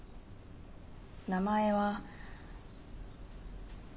名前は。